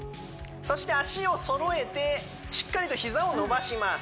そして足を揃えてしっかりと膝を伸ばします